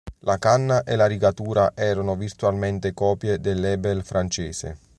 La canna e la rigatura erano virtualmente copie del Lebel francese.